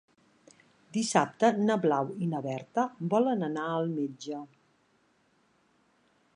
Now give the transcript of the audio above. Dissabte na Blau i na Berta volen anar al metge.